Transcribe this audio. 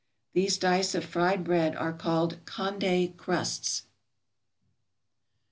These dice of fried bread are called Condé crusts.